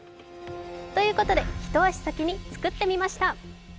ということで一足先に作ってみました。